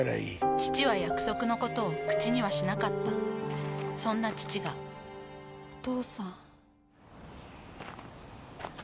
父は約束のことを口にはしなかったそんな父がお父さん。